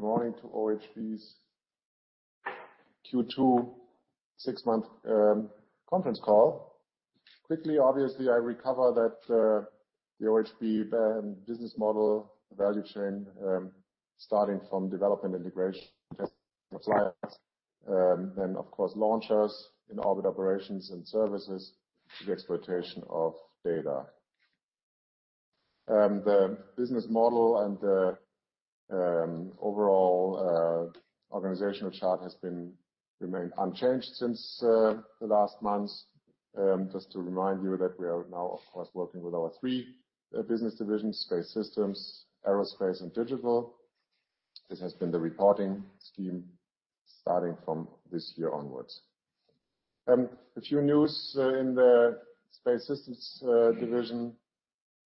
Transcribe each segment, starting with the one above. morning to OHB's Q2 six-month conference call. Quickly, obviously, I recap that the OHB brand business model value chain starting from development integration, then, of course, launchers in orbit operations and services to the exploitation of data. The business model and the overall organizational chart has been remained unchanged since the last months. Just to remind you that we are now, of course, working with our three business divisions, Space Systems, Aerospace, and Digital. This has been the reporting scheme starting from this year onwards. A few news in the Space Systems division.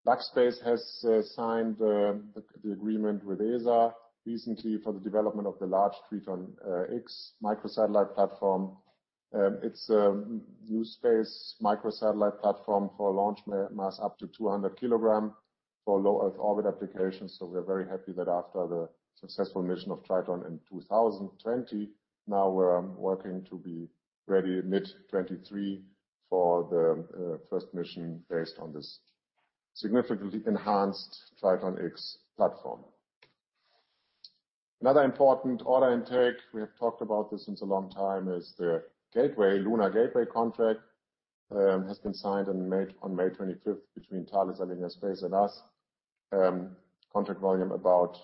LuxSpace has signed the agreement with ESA recently for the development of the large Triton-X microsatellite platform. It's a new space microsatellite platform for launch mass up to 200 kg for low Earth orbit applications. We are very happy that after the successful mission of Triton in 2020, now we're working to be ready mid-2023 for the first mission based on this significantly enhanced Triton-X platform. Another important order intake, we have talked about this since a long time, is the Lunar Gateway contract has been signed on May 25th between Thales Alenia Space and us. Contract volume about.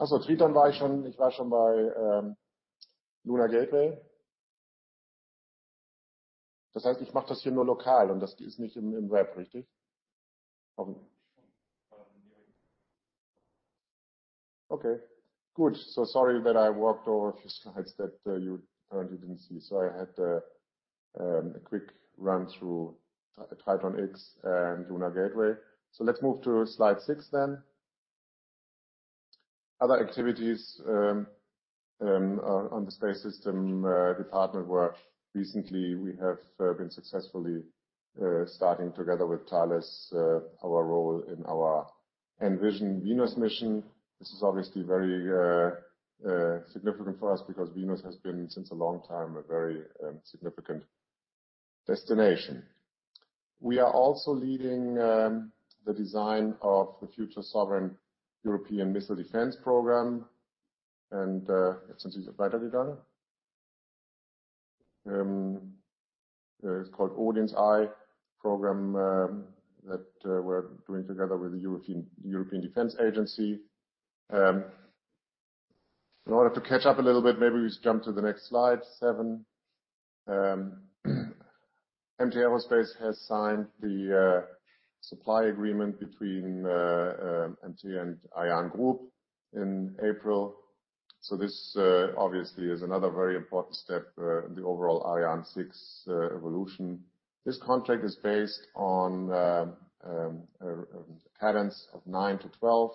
Okay. Good. Sorry that I walked over a few slides that you apparently didn't see. I had a quick run through Triton-X and Lunar Gateway. Let's move to slide six then. Other activities on the Space Systems department, recently we have been successfully starting together with Thales our role in our EnVision Venus mission. This is obviously very significant for us because Venus has been, since a long time, a very significant destination. We are also leading the design of the future sovereign European Missile Defense program. It's called ODIN'S EYE program that we're doing together with the European Defence Agency. In order to catch up a little bit, maybe we just jump to the next slide, seven. MT Aerospace has signed the supply agreement between MT and ArianeGroup in April. This obviously is another very important step in the overall Ariane 6 evolution. This contract is based on patterns of nine-12.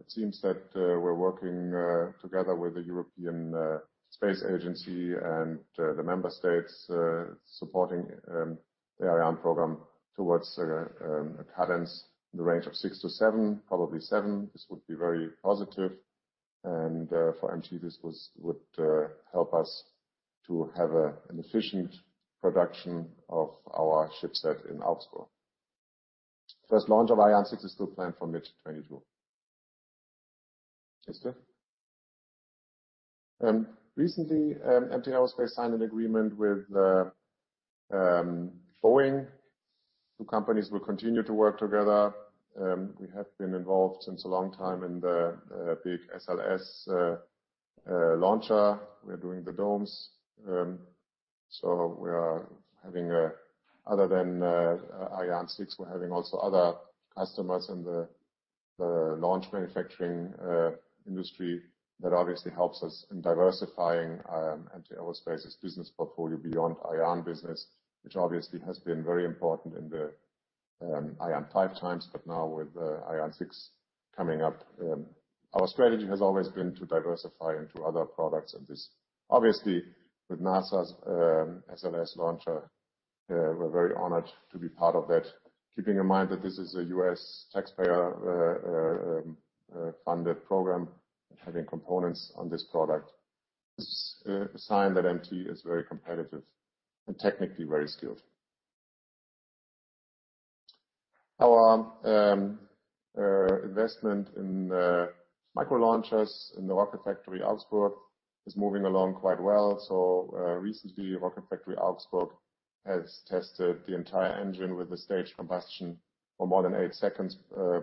It seems that we're working together with the European Space Agency and the member states supporting the Ariane 6 program towards a cadence in the range of six-seven, probably seven. This would be very positive. For MT, this would help us to have an efficient production of our ship set in Augsburg. First launch of Ariane 6 is still planned for mid-2022. Recently, MT Aerospace signed an agreement with Boeing. The companies will continue to work together. We have been involved since a long time in the big SLS launcher. We're doing the domes. Other than Ariane 6, we're having also other customers in the launch manufacturing industry that obviously helps us in diversifying MT Aerospace's business portfolio beyond Ariane business, which obviously has been very important in the Ariane 5 times. Now with Ariane 6 coming up, our strategy has always been to diversify into other products. This obviously with NASA's SLS launcher, we're very honored to be part of that. Keeping in mind that this is a U.S. taxpayer funded program, having components on this product is a sign that MT is very competitive and technically very skilled. Our investment in micro-launchers in the Rocket Factory Augsburg is moving along quite well. Recently, Rocket Factory Augsburg has tested the entire engine with the stage combustion for more than eight seconds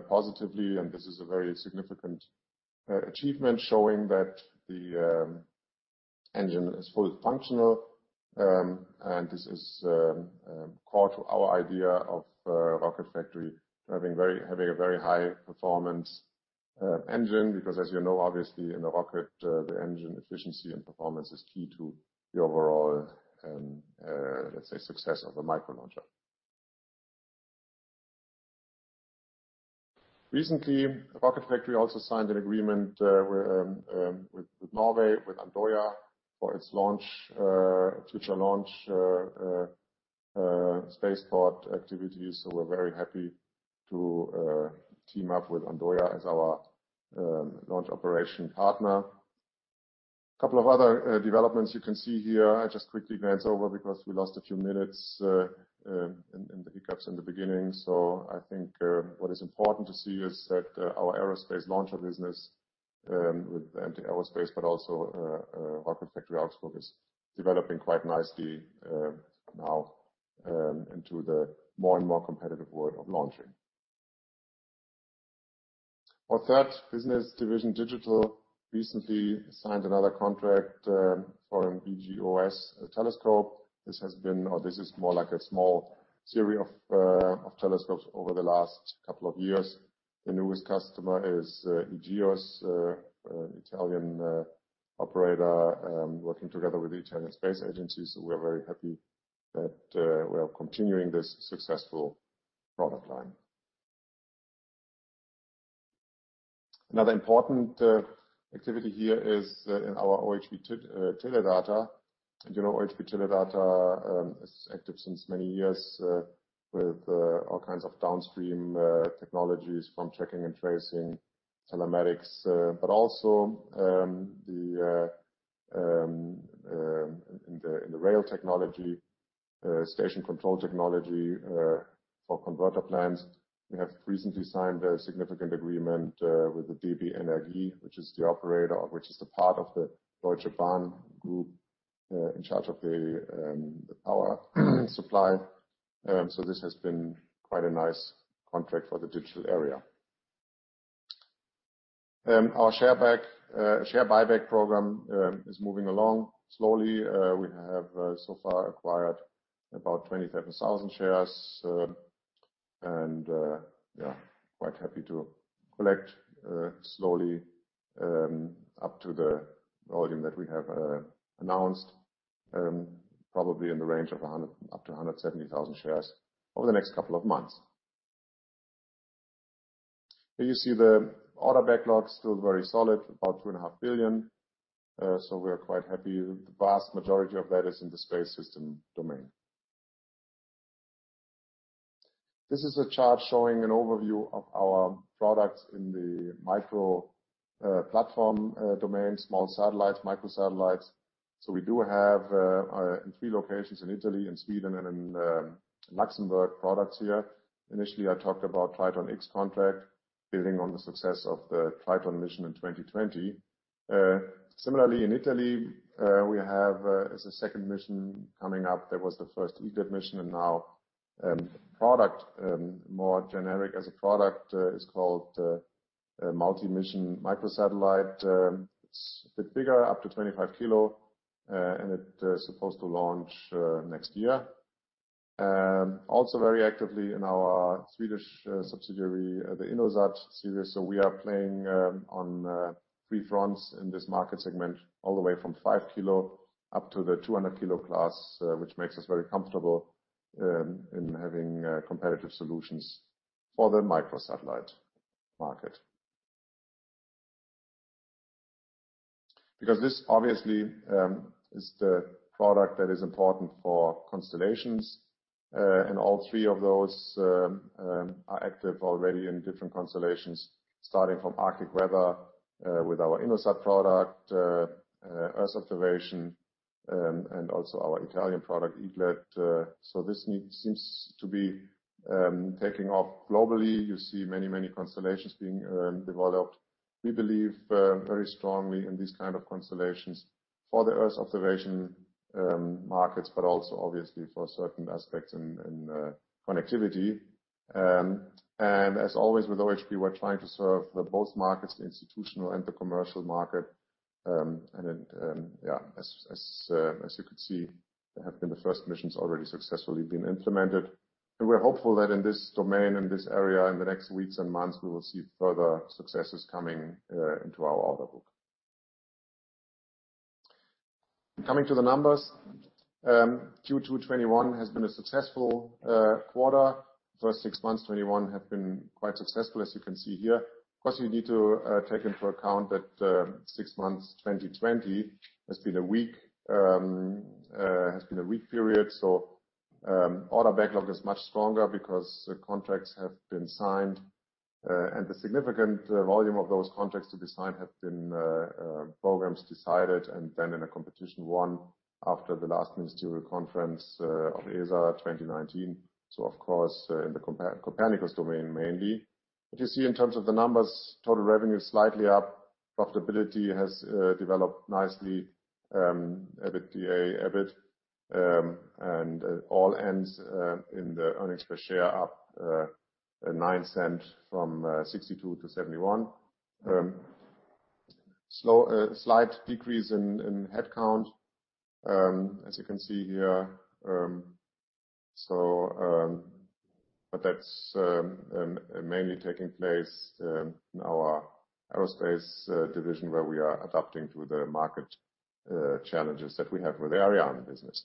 positively, and this is a very significant achievement showing that the engine is fully functional. This is core to our idea of Rocket Factory having a very high performance engine. Because as you know, obviously in a rocket, the engine efficiency and performance is key to the overall, let's say, success of a micro launcher. Recently, the Rocket Factory also signed an agreement with Norway, with Andøya for its launch future launch spaceport activities. We're very happy to team up with Andøya as our launch operation partner. A couple of other developments you can see here. I just quickly glance over because we lost a few minutes in the hiccups in the beginning. I think what is important to see is that our aerospace launcher business with MT Aerospace but also Rocket Factory Augsburg is developing quite nicely now into the more and more competitive world of launching. Our third business division, digital, recently signed another contract for an e-GEOS telescope. This is more like a small series of telescopes over the last couple of years. The newest customer is e-GEOS Italian operator working together with the Italian Space Agency. We are very happy that we are continuing this successful product line. Another important activity here is in our OHB Teledata. You know OHB Teledata is active since many years with all kinds of downstream technologies from tracking and tracing telematics. It is also active in the rail technology, station control technology, for converter plants. We have recently signed a significant agreement with the DB Energie, which is a part of the Deutsche Bahn group in charge of the power supply. This has been quite a nice contract for the digital area. Our share buyback program is moving along slowly. We have so far acquired about 27,000 shares. Quite happy to collect slowly up to the volume that we have announced, probably in the range of 100-170,000 shares over the next couple of months. Here you see the order backlog, still very solid, about 2.5 billion. We are quite happy. The vast majority of that is in the Space Systems domain. This is a chart showing an overview of our products in the micro platform domain, small satellites, micro satellites. We do have, in three locations in Italy and Sweden and in Luxembourg, products here. Initially, I talked about Triton-X contract, building on the success of the Triton mission in 2020. Similarly in Italy, we have a second mission coming up. There was the first EAGLET mission and now a more generic product is called a multi-mission microsatellite. It's a bit bigger, up to 25 kg, and it's supposed to launch next year. We are also very active in our Swedish subsidiary, the InnoSat series. We are playing on three fronts in this market segment, all the way from 5 kg up to the 200 kg class, which makes us very comfortable in having competitive solutions for the microsatellite market. Because this obviously is the product that is important for constellations, and all three of those are active already in different constellations, starting from Arctic Weather with our InnoSat product, Earth Observation, and also our Italian product, EAGLET. This need seems to be taking off globally. You see many, many constellations being developed. We believe very strongly in these kind of constellations for the Earth observation markets, but also obviously for certain aspects in connectivity. As always with OHB, we're trying to serve the both markets, the institutional and the commercial market. Yeah, as you could see, there have been the first missions already successfully been implemented. We're hopeful that in this domain and this area, in the next weeks and months, we will see further successes coming into our order book. Coming to the numbers, Q2 2021 has been a successful quarter. First six months 2021 have been quite successful, as you can see here. Of course, you need to take into account that six months 2020 has been a weak period. Order backlog is much stronger because the contracts have been signed and the significant volume of those contracts to be signed have been programs decided and then in a competition won after the last ministerial conference of ESA 2019. Of course, in the Copernicus domain mainly. You see in terms of the numbers, total revenue is slightly up. Profitability has developed nicely. EBITDA, EBIT, and all ends up in the earnings per share up 0.09 cents from EUR 0.62-EUR 0.71. Slight decrease in headcount, as you can see here. Mainly taking place in our Aerospace division, where we are adapting to the market challenges that we have with the Ariane business.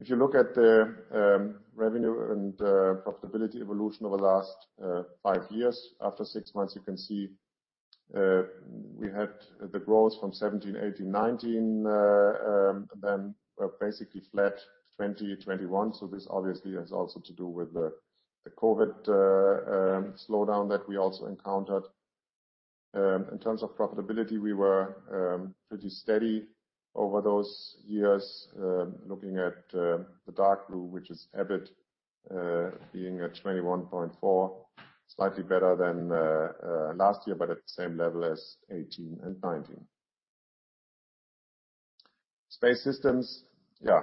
If you look at the revenue and profitability evolution over the last five years, after six months, you can see we had the growth from 2017, 2018, 2019, then basically flat 2021. This obviously has also to do with the COVID slowdown that we also encountered. In terms of profitability, we were pretty steady over those years, looking at the dark blue, which is EBIT, being at 21.4, slightly better than last year, but at the same level as 2018 and 2019. Space Systems, yeah,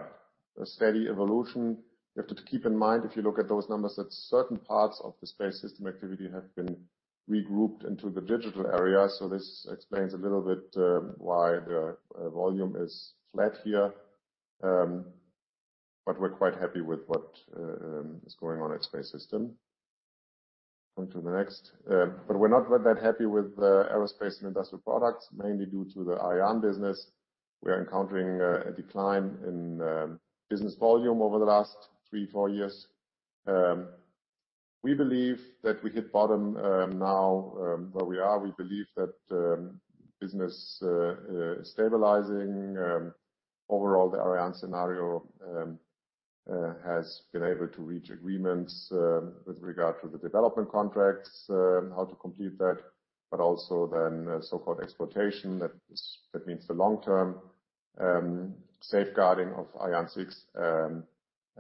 a steady evolution. You have to keep in mind, if you look at those numbers, that certain parts of the Space Systems activity have been regrouped into the Digital area. This explains a little bit why the volume is flat here. We're quite happy with what is going on at Space Systems. Going to the next. We're not that happy with the Aerospace and industrial products, mainly due to the Ariane business. We are encountering a decline in business volume over the last three-four years. We believe that we hit bottom now where we are. We believe that business stabilizing overall the Ariane scenario has been able to reach agreements with regard to the development contracts how to complete that, but also then the so-called exploitation. That means the long term safeguarding of Ariane 6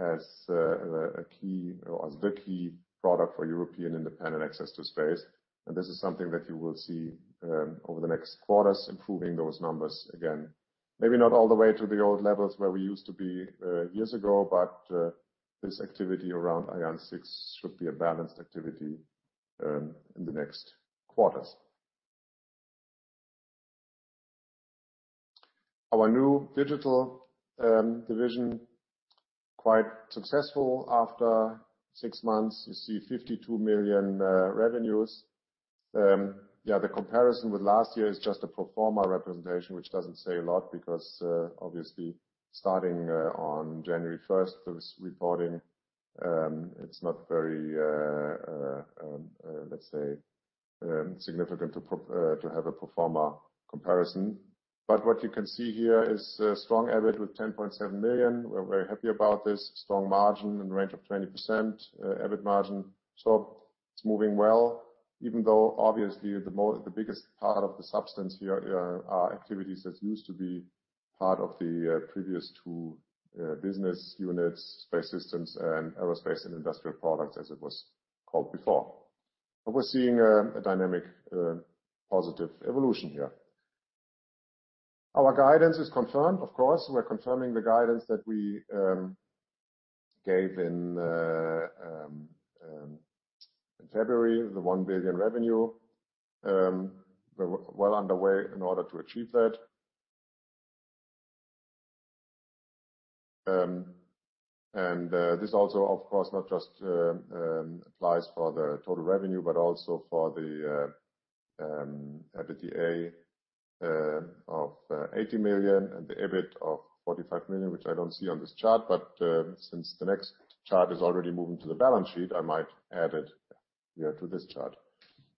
as a key or as the key product for European independent access to space. This is something that you will see over the next quarters, improving those numbers again. Maybe not all the way to the old levels where we used to be years ago, but this activity around Ariane 6 should be a balanced activity in the next quarters. Our new digital division quite successful. After six months, you see 52 million revenues. Yeah, the comparison with last year is just a pro forma representation, which doesn't say a lot because, obviously starting on January first, this reporting, it's not very, let's say, significant to have a pro forma comparison. What you can see here is a strong EBIT with 10.7 million. We're very happy about this. Strong margin in range of 20%, EBIT margin. It's moving well, even though obviously the biggest part of the substance here are activities that used to be part of the previous two business units, Space Systems and Aerospace and Industrial Products, as it was called before. We're seeing a dynamic positive evolution here. Our guidance is confirmed, of course. We're confirming the guidance that we gave in February, the 1 billion revenue. We're well underway in order to achieve that. This also, of course, not just applies for the total revenue, but also for the EBITDA of 80 million and the EBITDA of 45 million, which I don't see on this chart. Since the next chart is already moving to the balance sheet, I might add it here to this chart.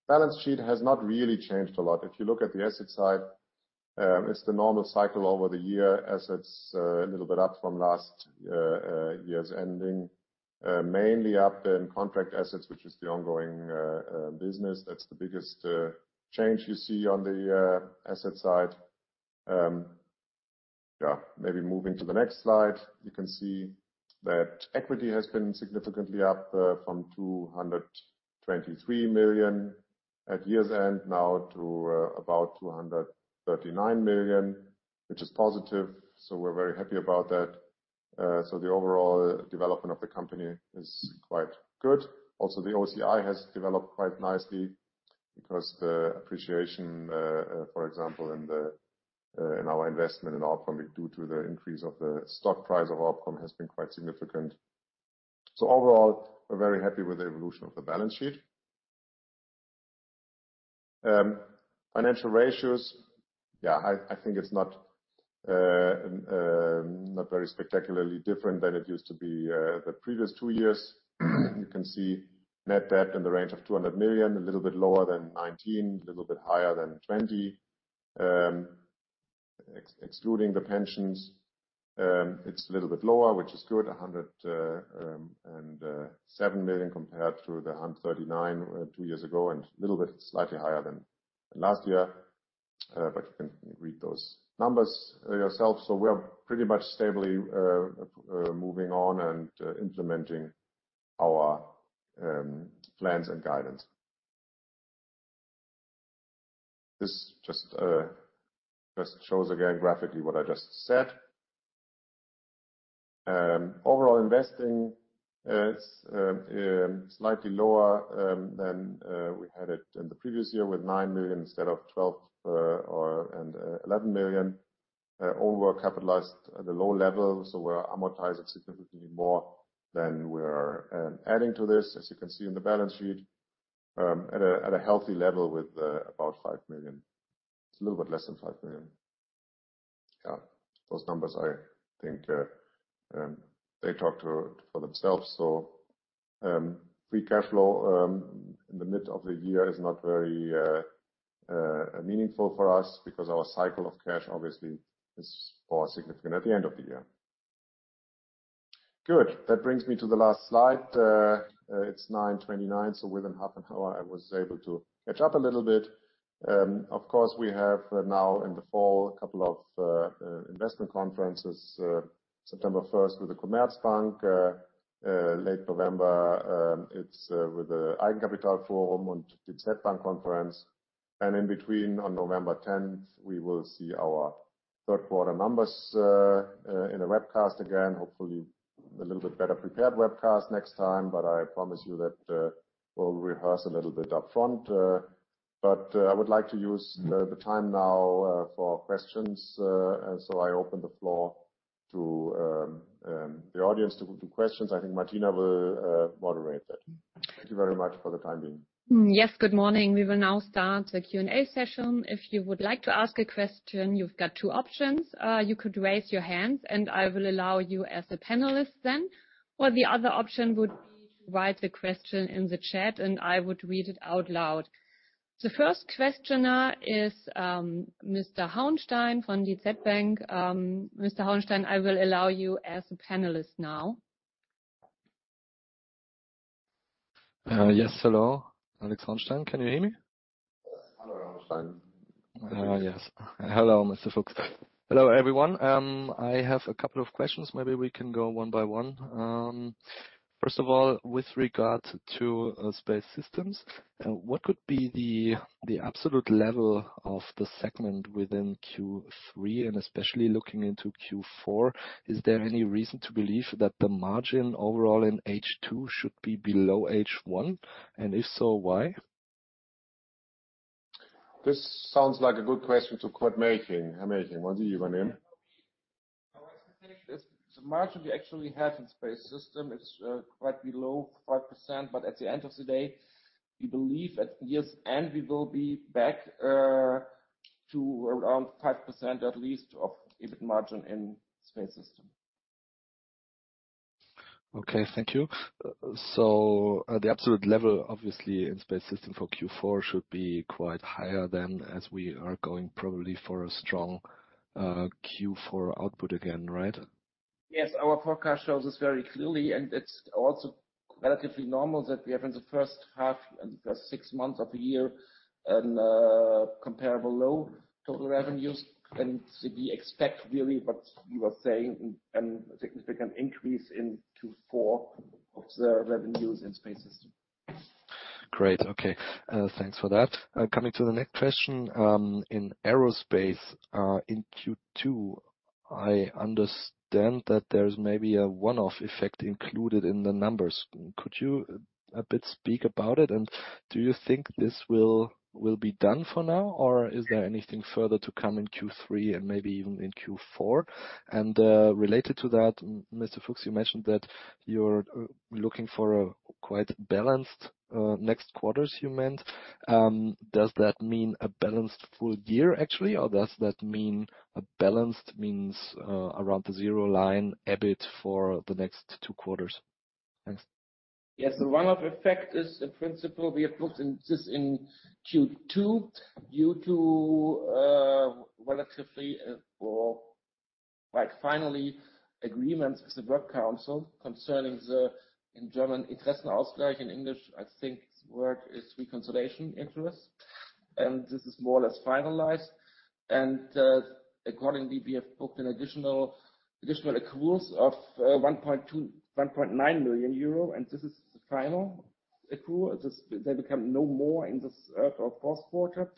Balance sheet has not really changed a lot. If you look at the asset side, it's the normal cycle over the year. Assets a little bit up from last year's ending, mainly up in contract assets, which is the ongoing business. That's the biggest change you see on the asset side. Yeah. Maybe moving to the next slide. You can see that equity has been significantly up from 223 million at year's end now to about 239 million, which is positive. We're very happy about that. The overall development of the company is quite good. Also, the OCI has developed quite nicely because the appreciation, for example, in our investment in GomSpace due to the increase of the stock price of GomSpace has been quite significant. Overall, we're very happy with the evolution of the balance sheet. Financial ratios. I think it's not very spectacularly different than it used to be the previous two years. You can see net debt in the range of 200 million, a little bit lower than 2019, a little bit higher than 2020. Excluding the pensions, it's a little bit lower, which is good, 107 million compared to the 139 two years ago and a little bit slightly higher than last year. But you can read those numbers yourself. We are pretty much stably moving on and implementing our plans and guidance. This just shows again graphically what I just said. Overall investing is slightly lower than we had it in the previous year with 9 million instead of 12 or 11 million over capitalized at a low level. We're amortizing significantly more than we are adding to this, as you can see in the balance sheet, at a healthy level with about 5 million. It's a little bit less than 5 million. Yeah. Those numbers, I think, they talk for themselves. Free cash flow in the mid of the year is not very meaningful for us because our cash cycle obviously is far more significant at the end of the year. Good. That brings me to the last slide. It's 9:29 A.M., so within half an hour I was able to catch up a little bit. Of course, we have now in the fall a couple of investment conferences, September first with the Commerzbank, late November, it's with theEigenkapitalforum and the Berenberg conference. In between on November 10th, we will see our third quarter numbers in a webcast again. Hopefully, a little bit better prepared webcast next time, but I promise you that, we'll rehearse a little bit up front. I would like to use the time now for questions. I open the floor to the audience to questions. I think Martina will moderate that. Thank you very much for the time being. Yes, good morning. We will now start the Q&A session. If you would like to ask a question, you've got two options. You could raise your hand, and I will allow you as a panelist then. Or the other option would be to write the question in the chat, and I would read it out loud. The first questioner is Mr. Hauenstein from DZ Bank. Mr. Hauenstein, I will allow you as a panelist now. Yes. Hello. Alexander Hauenstein. Can you hear me? Hello, Hauenstein. Yes. Hello, Mr. Fuchs. Hello, everyone. I have a couple of questions. Maybe we can go one by one. First of all, with regard to Space Systems, what could be the absolute level of the segment within Q3? Especially looking into Q4, is there any reason to believe that the margin overall in H2 should be below H1? If so, why? This sounds like a good question to quote Mörchen. Mörchen, what do you weigh in? Our expectation is the margin we actually have in Space Systems is quite below 5%, but at the end of the day, we believe at year's end, we will be back to around 5% at least of EBIT margin in Space Systems. Okay, thank you. The absolute level, obviously, in Space Systems for Q4 should be quite higher than as we are going probably for a strong Q4 output again, right? Yes. Our forecast shows this very clearly, and it's also relatively normal that we have in the first half, in the first six months of the year a comparably low total revenues. We expect really what you are saying, a significant increase in Q4 of the revenues in Space Systems. Great. Okay. Thanks for that. Coming to the next question, in Aerospace, in Q2, I understand that there's maybe a one-off effect included in the numbers. Could you a bit speak about it? And do you think this will be done for now, or is there anything further to come in Q3 and maybe even in Q4? And, related to that, Mr. Fuchs, you mentioned that you're looking for a quite balanced next quarters, you meant. Does that mean a balanced full-year actually, or does that mean a balanced means around the zero line EBIT for the next two quarters? Thanks. Yes. The one-off effect is a principle we have put in this in Q2 due to final agreements with the works council concerning the, in German, Interessenausgleich. In English, I think the word is reconciliation of interests. This is more or less finalized. Accordingly, we have booked an additional accruals of 1.9 million euro, and this is the final accrual. There will be no more in this fourth quarter.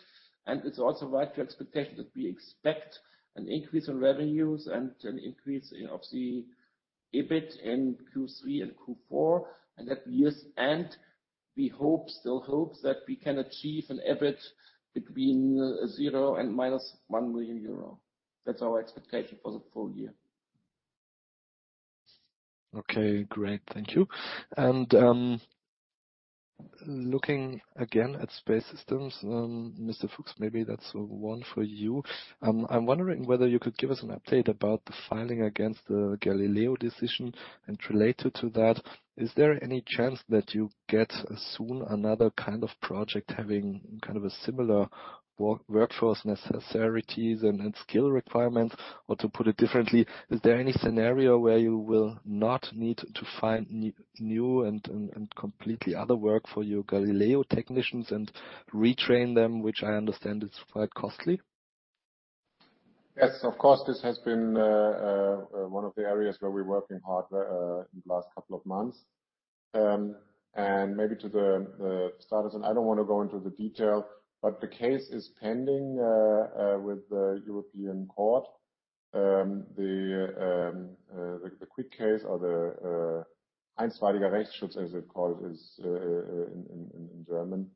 It's also in line with expectations that we expect an increase in revenues and an increase of the EBIT in Q3 and Q4. At year's end, we still hope that we can achieve an EBIT between 0 and -1 million euro. That's our expectation for the full-year. Okay, great. Thank you. Looking again at Space Systems, Mr. Fuchs, maybe that's one for you. I'm wondering whether you could give us an update about the filing against the Galileo decision. Related to that, is there any chance that you get soon another kind of project having kind of a similar workforce necessities and skill requirements? To put it differently, is there any scenario where you will not need to find new and completely other work for your Galileo technicians and retrain them, which I understand is quite costly? Yes, of course, this has been one of the areas where we're working hard in the last couple of months. Maybe to the status, I don't want to go into the detail, but the case is pending with the Court of Justice of the European Union. The quick case, or as it's called in German,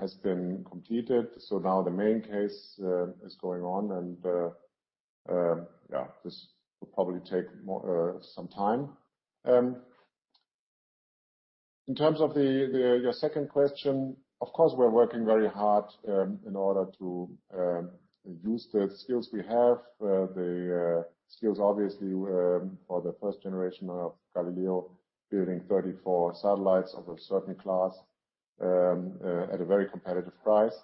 has been completed. Now the main case is going on and yeah, this will probably take some more time. In terms of your second question, of course, we're working very hard in order to use the skills we have. The skills obviously for the first generation of Galileo, building 34 satellites of a certain class at a very competitive price.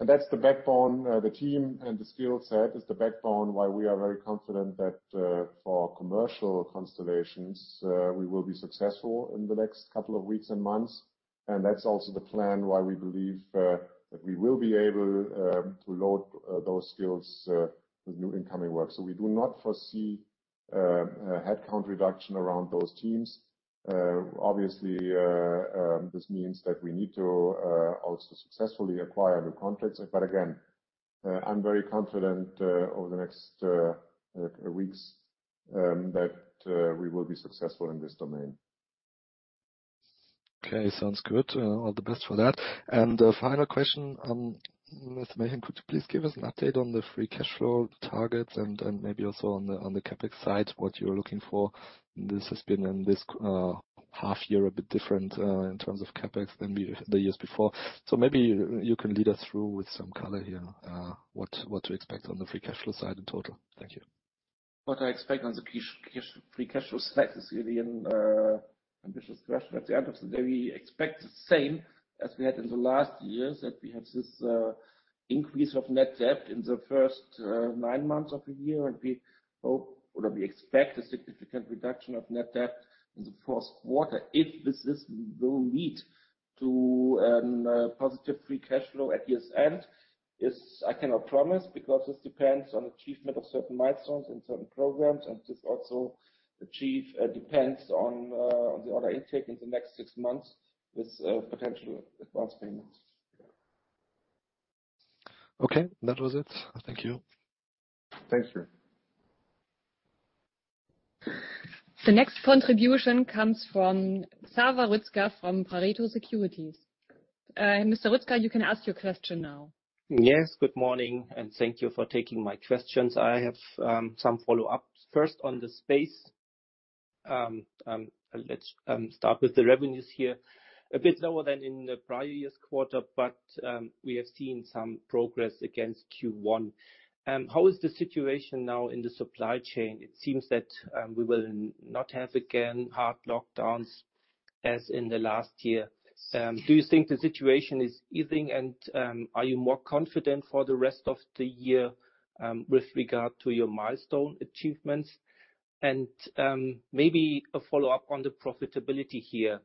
That's the backbone. The team and the skill set is the backbone why we are very confident that, for commercial constellations, we will be successful in the next couple of weeks and months. That's also the plan why we believe that we will be able to load those skills with new incoming work. We do not foresee headcount reduction around those teams. Obviously, this means that we need to also successfully acquire new contracts. Again, I'm very confident over the next weeks that we will be successful in this domain. Okay, sounds good. All the best for that. A final question. Ms. Mörchen, could you please give us an update on the free cash flow targets and maybe also on the CapEx side, what you're looking for? This has been in this half year a bit different in terms of CapEx than in the years before. Maybe you can lead us through with some color here, what to expect on the free cash flow side in total. Thank you. What I expect on the cash, free cash flow side is really an ambitious question. At the end of the day, we expect the same as we had in the last years, that we have this increase of net debt in the first nine months of the year. We hope or we expect a significant reduction of net debt in the fourth quarter. If this will lead to positive free cash flow at year's end is I cannot promise because this depends on achievement of certain milestones in certain programs, and this also depends on the order intake in the next six months with potential advance payments. Okay, that was it. Thank you. Thank you. The next contribution comes from Zafer Rüzgar from Pareto Securities. Mr. Rüzgar, you can ask your question now. Yes, good morning, and thank you for taking my questions. I have some follow-ups. First on the space, let's start with the revenues here. A bit lower than in the prior year's quarter, but we have seen some progress against Q1. How is the situation now in the supply chain? It seems that we will not have again hard lockdowns as in the last year. Do you think the situation is easing? Are you more confident for the rest of the year with regard to your milestone achievements? Maybe a follow-up on the profitability here.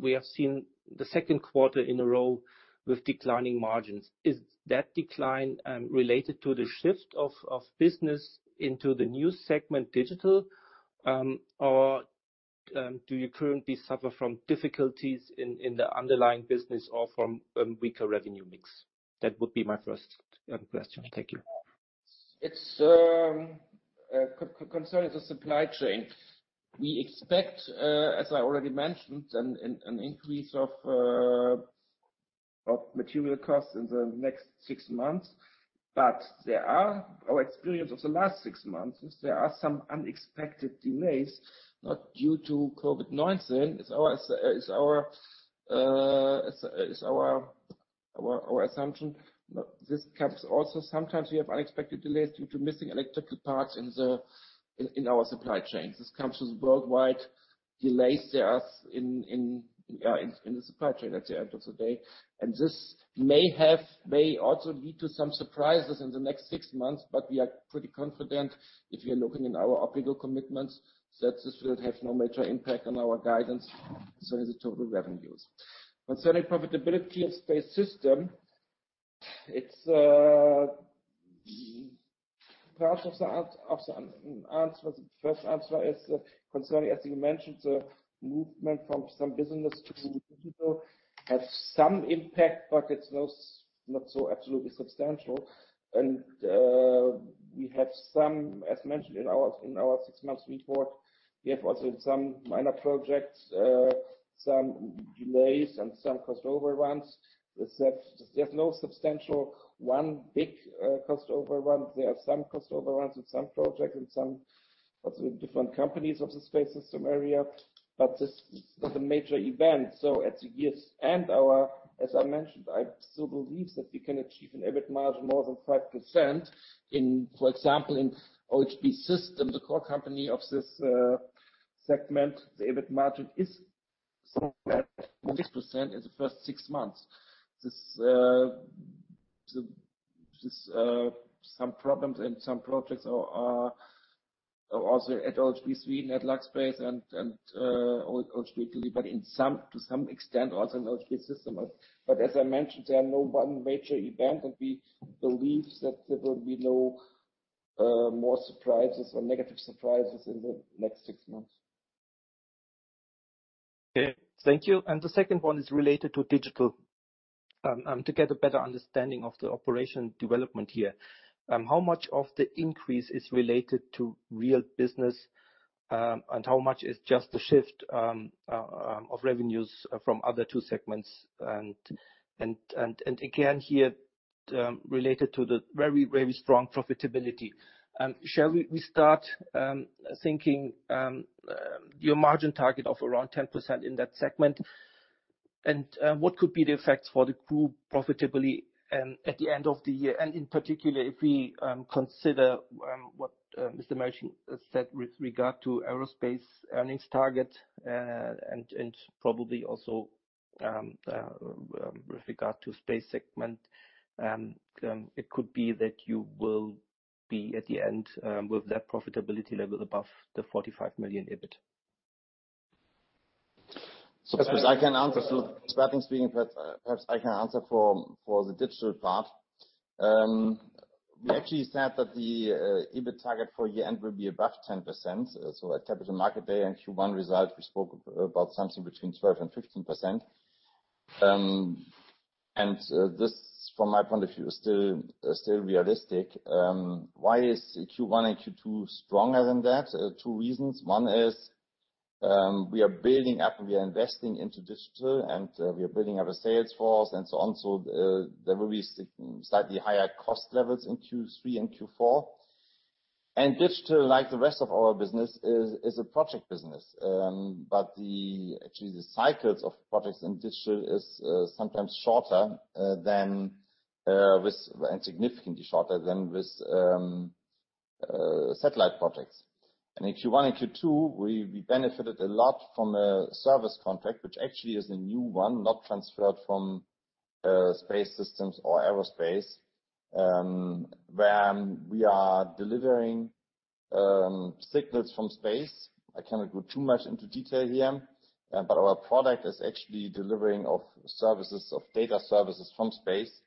We have seen the second quarter in a row with declining margins. Is that decline related to the shift of business into the new segment Digital, or do you currently suffer from difficulties in the underlying business or from weaker revenue mix? That would be my first question. Thank you. Our concern is the supply chain. We expect, as I already mentioned, an increase of material costs in the next six months. Our experience of the last six months is there are some unexpected delays, not due to COVID-19. It is our assumption. This comes also sometimes we have unexpected delays due to missing electrical parts in our supply chains. This comes with worldwide delays in the supply chain at the end of the day. This may also lead to some surprises in the next six months, but we are pretty confident if we are looking in our operational commitments, that this will have no major impact on our guidance. It is the total revenues. Concerning profitability of Space Systems, it's part of the answer. The first answer is concerning, as you mentioned, the movement from some business to Digital have some impact, but it's not so absolutely substantial. We have some, as mentioned in our six months report, we have also some minor projects, some delays and some cost overruns. There's no substantial one big cost overrun. There are some cost overruns in some projects and some also in different companies of the Space Systems area, but this is not a major event. At the year's end, as I mentioned, I still believe that we can achieve an EBIT margin more than 5% in, for example, in OHB System, the core company of this segment, the EBIT margin is 6% in the first six months. Some problems in some projects are. at OHB Sweden, at LuxSpace and OHB Italy, but to some extent also in OHB System. As I mentioned, there is no one major event, and we believe that there will be no more surprises or negative surprises in the next six months. Okay, thank you. The second one is related to digital to get a better understanding of the operation development here. How much of the increase is related to real business and how much is just the shift of revenues from other two segments? Again, here, related to the very, very strong profitability, shall we start thinking your margin target of around 10% in that segment? What could be the effects for the group profitability at the end of the year? In particular, if we consider what Mr. Mörchen has said with regard to aerospace earnings target, and probably also with regard to space segment, it could be that you will be at the end with that profitability level above 45 million EBIT. Perhaps I can answer for the digital part. We actually said that the EBIT target for year-end will be above 10%. At Capital Markets Day and Q1 results, we spoke about something between 12%-15%. This, from my point of view, is still realistic. Why is Q1 and Q2 stronger than that? Two reasons. One is, we are building up and we are investing into digital, and we are building up a sales force and so on. There will be slightly higher cost levels in Q3 and Q4. Digital, like the rest of our business, is a project business. Actually, the cycles of projects in digital is sometimes shorter than with and significantly shorter than with satellite projects. In Q1 and Q2, we benefited a lot from a service contract, which actually is a new one, not transferred from Space Systems or Aerospace, where we are delivering signals from space. I cannot go too much into detail here, but our product is actually delivering of services, of data services from space.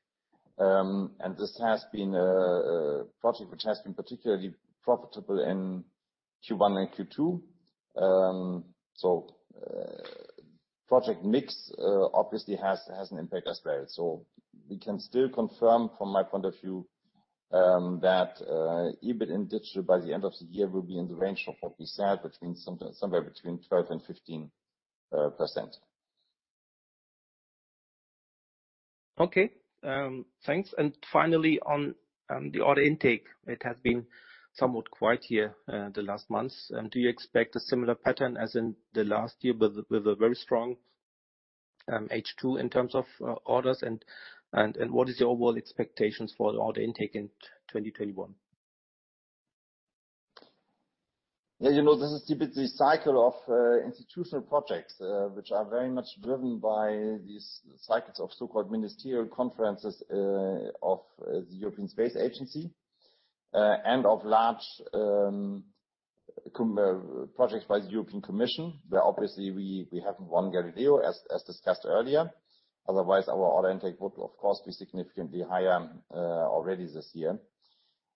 And this has been a project which has been particularly profitable in Q1 and Q2. Project mix obviously has an impact as well. We can still confirm from my point of view that EBIT in Digital by the end of the year will be in the range of what we said, somewhere between 12% and 15%. Okay, thanks. Finally, on the order intake, it has been somewhat quiet here, the last months. Do you expect a similar pattern as in the last year with a very strong H2 in terms of orders? What is your overall expectations for the order intake in 2021? Yeah, you know, this is a typical cycle of institutional projects, which are very much driven by these cycles of so-called ministerial conferences of the European Space Agency and of large projects by the European Commission, where obviously we have one Galileo, as discussed earlier. Otherwise, our order intake would, of course, be significantly higher already this year.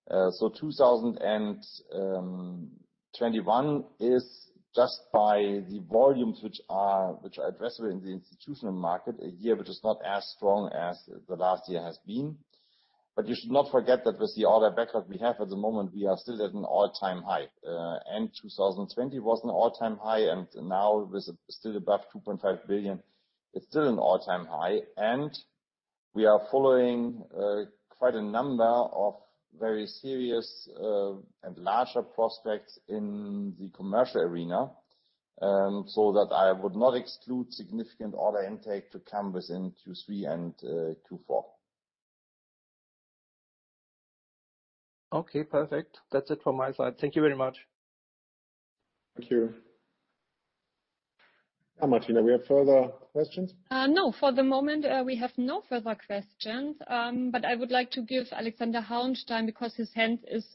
2021 is just by the volumes which are addressed within the institutional market a year which is not as strong as the last year has been. You should not forget that with the order backlog we have at the moment, we are still at an all-time high. End 2020 was an all-time high, and now with still above 2.5 billion, it's still an all-time high. We are following quite a number of very serious and larger prospects in the commercial arena, so that I would not exclude significant order intake to come within Q3 and Q4. Okay, perfect. That's it from my side. Thank you very much. Thank you. Martina, we have further questions? No. For the moment, we have no further questions. I would like to give Alexander Hauenstein because his hand is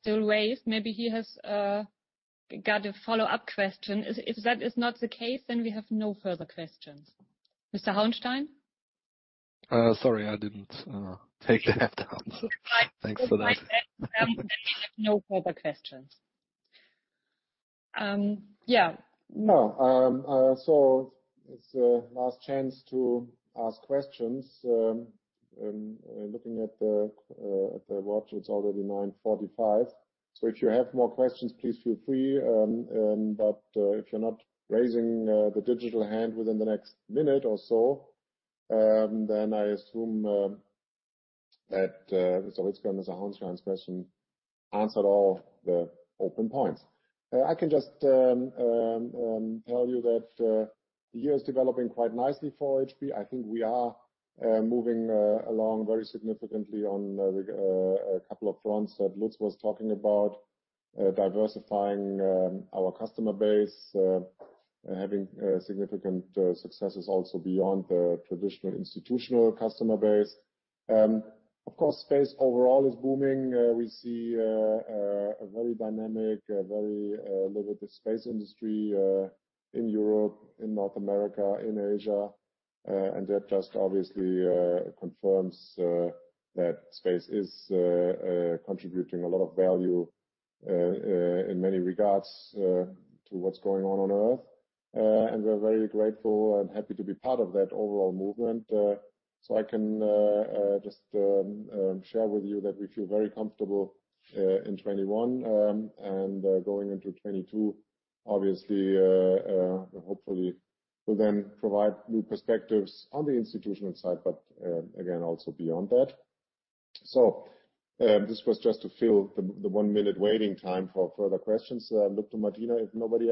still raised. Maybe he has got a follow-up question. If that is not the case, then we have no further questions. Mr. Hauenstein? Sorry, I didn't take that down. Thanks for that. We have no further questions. Yeah. No. It's the last chance to ask questions. Looking at the watch, it's already 9:45 A.M. If you have more questions, please feel free. If you're not raising the digital hand within the next minute or so, I assume it's gone. Mr. Hauenstein's question answered all the open points. I can just tell you that the year is developing quite nicely for OHB. I think we are moving along very significantly on a couple of fronts that Lutz was talking about, diversifying our customer base, having significant successes also beyond the traditional institutional customer base. Of course, space overall is booming. We see a very dynamic, lucrative space industry in Europe, in North America, in Asia. That just obviously confirms that space is contributing a lot of value in many regards to what's going on on Earth. We're very grateful and happy to be part of that overall movement. I can just share with you that we feel very comfortable in 2021 and going into 2022, obviously, hopefully will then provide new perspectives on the institutional side, but again, also beyond that. This was just to fill the one-minute waiting time for further questions. Look to Martina, if nobody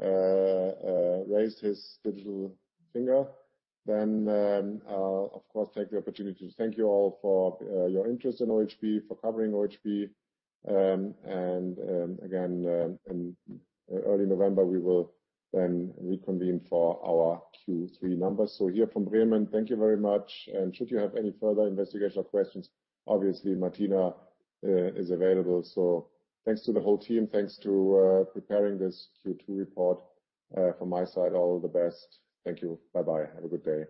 else has raised his digital finger, then, of course, take the opportunity to thank you all for your interest in OHB, for covering OHB. In early November, we will then reconvene for our Q3 numbers. Here from Bremen, thank you very much. Should you have any further investor questions, obviously, Martina is available. Thanks to the whole team. Thanks to preparing this Q2 report. From my side, all the best. Thank you. Bye-bye. Have a good day.